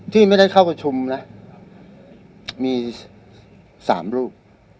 ที่ไม่ได้เข้าประชุมแล้วมี๓รูป